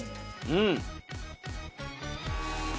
うん。